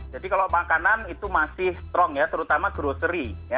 jadi kalau makanan itu masih strong ya terutama grocery